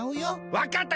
わかった！